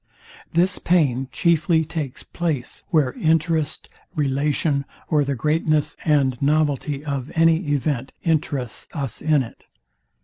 This pain chiefly takes place, where interest, relation, or the greatness and novelty of any event interests us in it.